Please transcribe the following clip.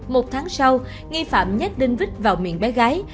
một tháng sau nghi phạm nhét đinh vít vào miệng bé gái